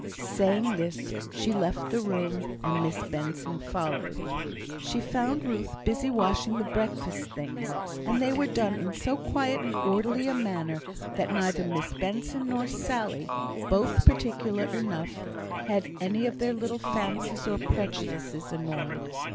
Saying this she left the room, and Miss Benson followed. She found Ruth busy washing the breakfast things; and they were done in so quiet and orderly a manner, that neither Miss Benson nor Sally, both particular enough, had any of their little fancies or prejudices annoyed.